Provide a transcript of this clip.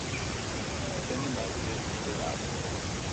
Then the messages petered out.